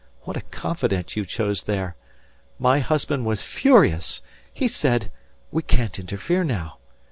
What a confidant you chose there!... My husband was furious! He said: 'We can't interfere now.'